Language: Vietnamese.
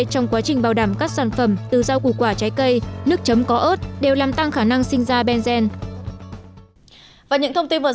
trong quá trình bảo đảm các sản phẩm từ rau củ quả trái cây nước chấm có ớt đều làm tăng khả năng sinh ra benzen